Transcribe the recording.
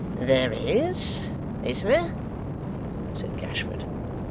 'There is, is there?' said Gashford.